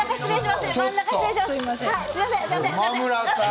すみません。